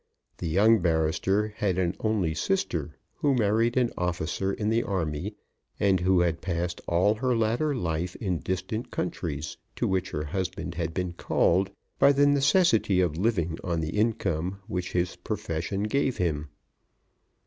The young barrister had an only sister, who married an officer in the army, and who had passed all her latter life in distant countries to which her husband had been called by the necessity of living on the income which his profession gave him.